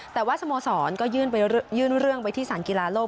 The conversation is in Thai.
แต่ว่าสโมสรก็ยื่นเรื่องไปที่สารกีฬาโลก